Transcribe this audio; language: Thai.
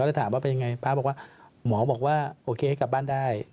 แล้วถามว่าเป็นยังไงป๊าบอกว่าหมอบอกว่าโอเคให้กลับบ้านได้